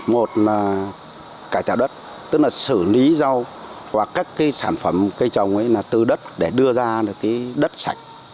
một là cải tạo đất tức là xử lý rau và các cái sản phẩm cây trồng ấy là từ đất để đưa ra cái đất sạch